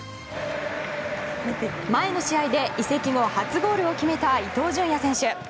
前の試合で移籍後初ゴールを決めた伊東純也選手。